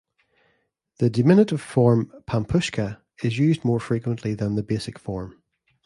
The diminutive form "pampushka" is used more frequently than the basic form.